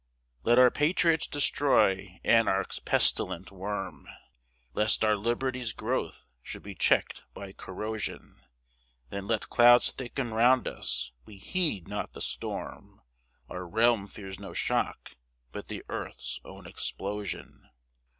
Let our patriots destroy Anarch's pestilent worm; Lest our liberty's growth should be check'd by corrosion; Then let clouds thicken round us; we heed not the storm; Our realm fears no shock, but the earth's own explosion.